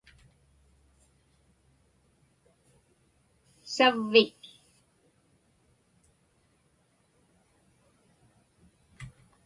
savvik